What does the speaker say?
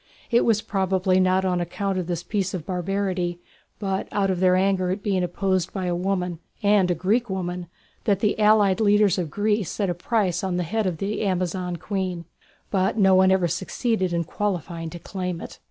It was probably not on account of this piece of barbarity, but out of their anger at being opposed by a woman, and a Greek woman, that the allied leaders of Greece set a price on the head of the Amazon queen; but no one ever succeeded in qualifying to claim it.